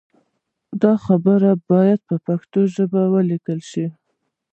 دا خبرې باید په پښتو ژبه ولیکل شي.